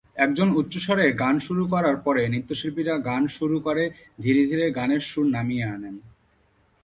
একজন উচ্চস্বরে গান শুরু করার পরে নৃত্যশিল্পীরা গান শুরু করে ধীরে ধীরে গানের সুর নামিয়ে আনেন।